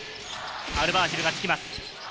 アルバーシルがつきます。